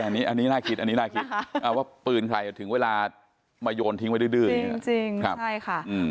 อันนี้น่าคิดว่าปืนใครถึงเวลามาโยนทิ้งไว้ดื้อจริงใช่ค่ะ